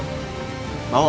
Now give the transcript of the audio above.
tenang dulu pak